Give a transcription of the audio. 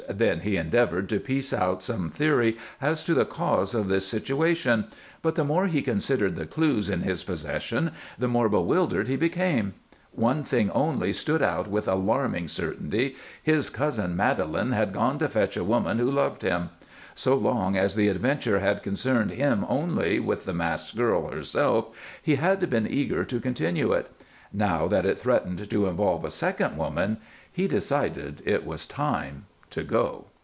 Then he endeavored to piece out some theory as to the cause of this situation, but the more he considered the clues in his possession the more bewildered he became. One thing only stood out with alarming certainty his cousin Madelon had gone to fetch a woman who loved him. So long as the adventure had concerned him only with the masked girl herself he had been eager to continue it. Now that it threatened to involve a second woman, he decided it was time to go.